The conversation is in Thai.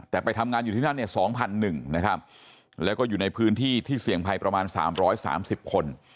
แต่ไปทำงานอยู่ที่นั่นเนี่ย๒๑๐๐นะครับแล้วก็อยู่ในพื้นที่ที่เสี่ยงภัยประมาณ๓๓๐คน